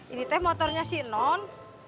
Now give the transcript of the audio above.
ini motornya si non